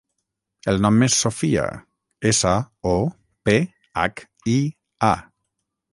El nom és Sophia: essa, o, pe, hac, i, a.